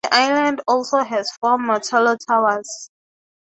The island also has four Martello towers.